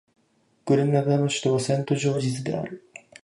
グレナダの首都はセントジョージズである